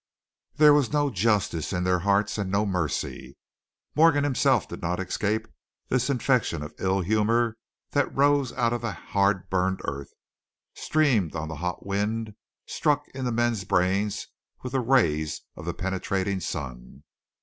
There was no justice in their hearts, and no mercy. Morgan himself did not escape this infection of ill humor that rose out of the hard burned earth, streamed on the hot wind, struck into men's brains with the rays of the penetrating sun.